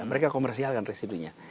mereka komersialkan residunya